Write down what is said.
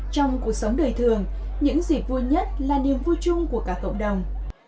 trong cuộc sống đời thường những gì vui nhất là niềm vui chung của cả cộng đồng